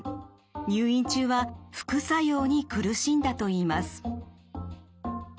入院中は副作用に苦しんだといいます。